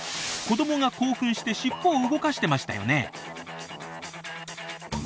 子どもが興奮してしっぽを動かしてましたよね。